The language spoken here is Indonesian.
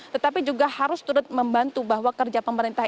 tetapi juga harus turut membantu bahwa kerja pemerintah